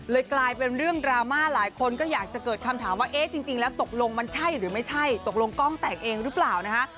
กลายเป็นเรื่องดราม่าหลายคนก็อยากจะเกิดคำถามว่าเอ๊ะจริงแล้วตกลงมันใช่หรือไม่ใช่ตกลงกล้องแตกเองหรือเปล่านะคะ